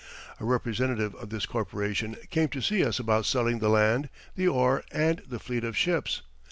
A representative of this corporation came to see us about selling the land, the ore, and the fleet of ships.